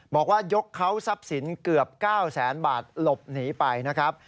บอกว่ายกเขาทรัพย์สินเกือบ๙แสนบาทหลบหนีไปนะครับ